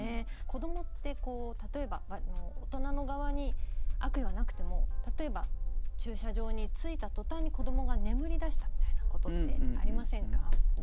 子どもって例えば大人の側に悪意はなくても例えば駐車場に着いた途端に子どもが眠り出したみたいなことってありませんか？